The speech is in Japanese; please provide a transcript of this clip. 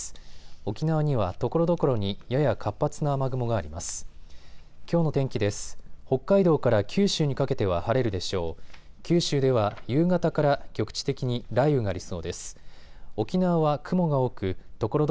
沖縄には、ところどころにやや活発な雨雲があります。